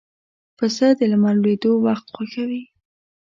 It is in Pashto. پسه د لمر لوېدو وخت خوښوي.